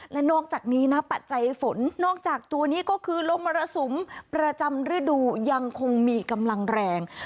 และนอกจากนี้นะปัจจัยฝนนอกจากตัวนี้ก็คือลมมรสุมประจำฤดูยังคงมีกำลังแรง